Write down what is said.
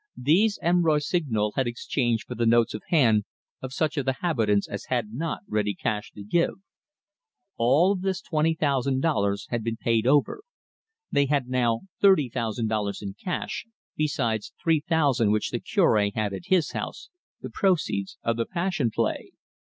These M. Rossignol had exchanged for the notes of hand of such of the habitants as had not ready cash to give. All of this twenty thousand dollars had been paid over. They had now thirty thousand dollars in cash, besides three thousand which the Cure had at his house, the proceeds of the Passion Play.